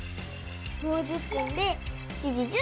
もう１０分で７時１０分！